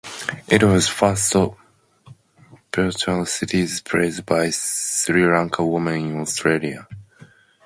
It was the first bilateral series played by Sri Lanka Women in Australia.